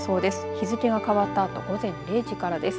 日付が変わったあと午前０時からです。